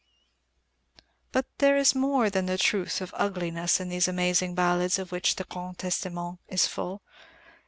But there is more than the truth of ugliness in these amazing ballads of which the Grand Testament is full.